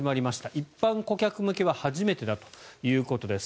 一般顧客向けは初めてだということです。